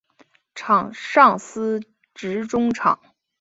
场上司职中场。